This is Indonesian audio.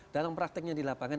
dalam praktiknya di lapangan